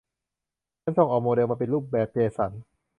ฉันส่งออกโมเดลมาเป็นรูปแบบเจสัน